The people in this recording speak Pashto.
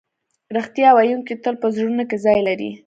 رښتیا ویونکی تل په زړونو کې ځای لري.